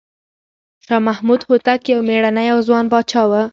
شاه محمود هوتک یو مېړنی او ځوان پاچا و.